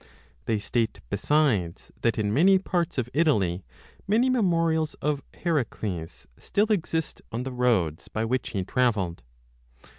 They state besides that in many parts of Italy many memorials of Heracles still exist on the roads by which he travelled.